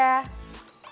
mereka sedang kacau